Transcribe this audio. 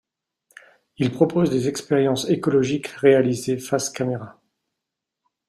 Il propose des expériences écologiques réalisées face caméra.